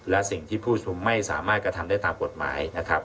และสิ่งที่ผู้ชุมนุมไม่สามารถกระทำได้ตามกฎหมายนะครับ